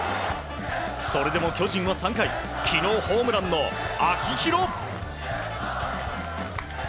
それでも巨人は３回昨日、ホームランの秋広！